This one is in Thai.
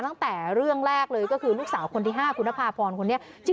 ตั้งแต่เรื่องแรกเลยก็คือลูกสาวคนที่๕คุณนภาพรคนนี้